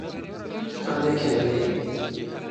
Ka ne kene lê